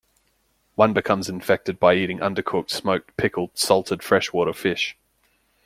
One becomes infected by eating undercooked, smoked, pickled salted freshwater fish.